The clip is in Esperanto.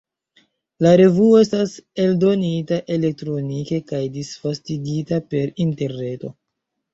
La revuo estas eldonita elektronike kaj disvastigita per interreto.